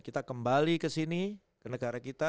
kita kembali ke sini ke negara kita